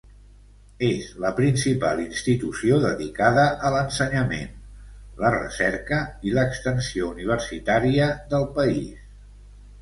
És la principal institució dedicada a l'ensenyament, la recerca i l'extensió universitària del país.